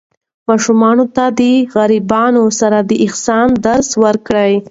ماشومانو ته د غریبانو سره د احسان درس ورکړئ.